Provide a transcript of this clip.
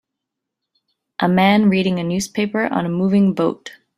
A man reading a newspaper on a moving boat.